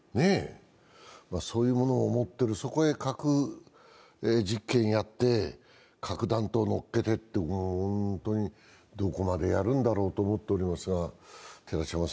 そういうものを持ってる、そこへ核実験やって核弾頭乗っけてって、本当にどこまでやるんだろうと思っています。